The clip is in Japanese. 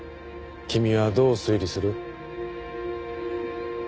君はどう推理する？